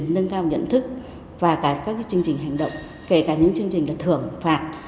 nâng cao nhận thức và các chương trình hành động kể cả những chương trình thưởng phạt